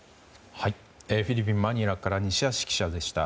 フィリピン・マニラから西橋記者でした。